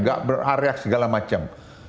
nggak beraryak segala macam